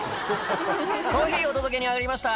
「コーヒーお届けに上がりました